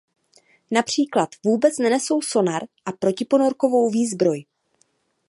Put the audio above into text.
Například vůbec nenesou sonar a protiponorkovou výzbroj.